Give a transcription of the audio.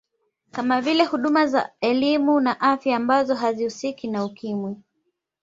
Kama vile huduma za elimu na afya ambazo hazihusiki na Ukimwi